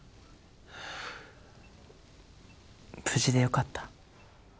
無事でよかった。